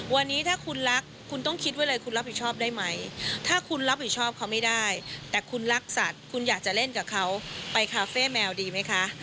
วันนี้ถ้าคุณรักคุณต้องคิดไว้เลยคุณรับผิดชอบได้ไหมถ้าคุณรับผิดชอบเขาไม่ได้แต่คุณรักสัตว์คุณอยากจะเล่นกับเขาไปคาเฟ่แมวดีไหมคะ